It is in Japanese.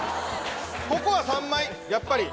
ここは３枚やっぱり。